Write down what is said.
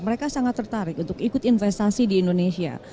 mereka sangat tertarik untuk ikut investasi di indonesia